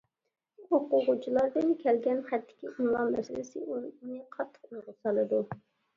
ئوقۇغۇچىلاردىن كەلگەن خەتتىكى ئىملا مەسىلىسى ئۇنى قاتتىق ئويغا سالىدۇ.